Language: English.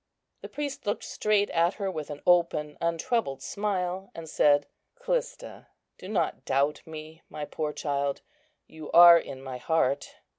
The priest looked straight at her with an open, untroubled smile, and said, "Callista, do not doubt me, my poor child; you are in my heart.